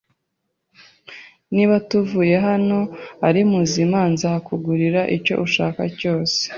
Niba tuvuye hano ari muzima, nzakugurira icyo ushaka cyose.